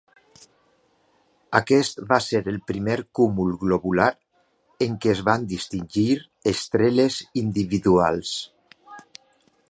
Aquest va ser el primer cúmul globular en què es van distingir estrelles individuals.